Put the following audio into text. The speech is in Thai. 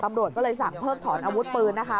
ตำรวจก็เลยสั่งเพิกถอนอาวุธปืนนะคะ